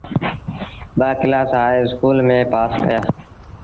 ٻآ ڪلآس هآئي اسڪول ميݩ پآس ڪيآ۔